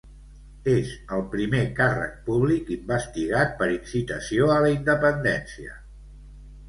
És el primer càrrec públic investigat per incitació a la independència.